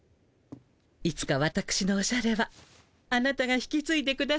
いつかわたくしのおしゃれはあなたが引きついでくださいな。